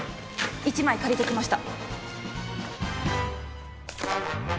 一枚借りてきました。